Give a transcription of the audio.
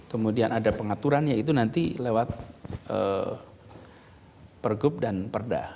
kemudian ada pengaturannya itu nanti lewat pergub dan perda